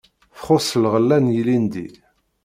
Txuṣṣ lɣella n yilindi.